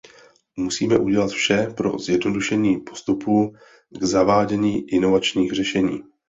Musíme udělat vše pro zjednodušení postupů k zavádění inovačních řešení.